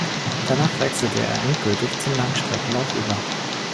Danach wechselte er endgültig zum Langstreckenlauf über.